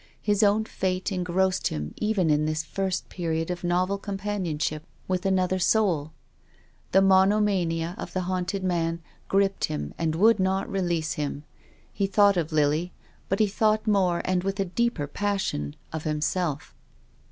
His own fate engrossed him even in this first period of novel companionship with another soul. The mono mania of the haunted man gripped him and would not release him. He thought of Lily, but he thought more, and with a deeper passion, of him self.